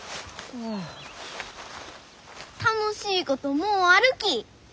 楽しいこともうあるき。